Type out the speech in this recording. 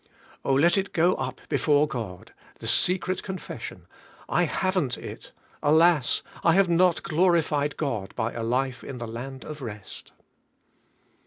Oh, let it ^o up before God — the secret confession: "I haven't it; alas! I have not glorified God b}' a life in the land of rest."